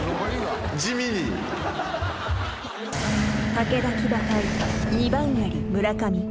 ［武田騎馬隊二番やり村上。